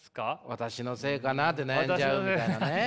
私のせいかなって悩んじゃうみたいなね。